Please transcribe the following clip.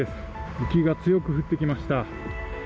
雪が強く降ってきました。